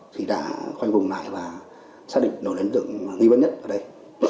thì đã khoanh vùng lại và xác định nổi đến tượng nghi vấn nhất ở đây